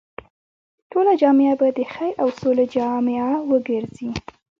ټوله جامعه به د خير او سولې جامعه وګرځي.